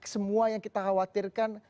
semua yang kita khawatirkan